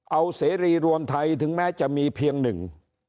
เอาเสรีรวมไทยถึงแม้จะมีเพียงหนึ่ง